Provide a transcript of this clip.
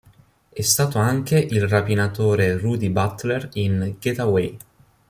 È stato anche il rapinatore Rudy Butler in "Getaway!